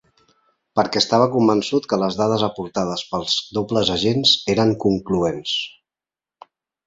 Perquè estava convençut que les dades aportades pels dobles agents, eren concloents.